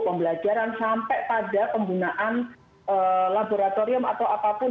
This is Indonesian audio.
pembelajaran sampai pada penggunaan laboratorium atau apapun